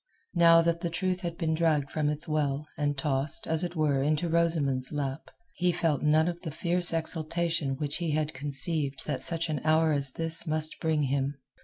Now that truth had been dragged from its well, and tossed, as it were, into Rosamund's lap, he felt none of the fierce exultation which he had conceived that such an hour as this must bring him.